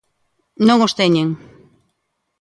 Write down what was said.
¡No os teñen!